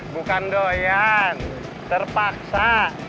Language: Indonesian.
bukan doyan terpaksa